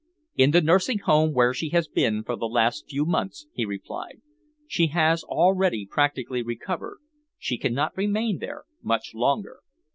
"In the nursing home where she has been for the last few months," he replied. "She has already practically recovered. She cannot remain there much longer."